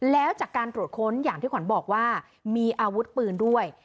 แล้วจากการตรวจค้นอย่างที่ขวัญบอกว่ามีอาวุธปืนด้วย